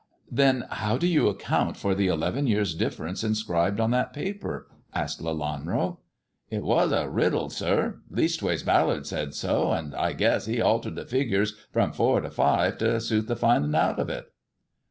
" Then how do you account for the eleven years' difference inscribed on that paper 1 " asked Lelanro. " It was a riddle, sir. Leastways, Ballard said so ; and I guess he altered the figures from four to five to suit the finding out of it."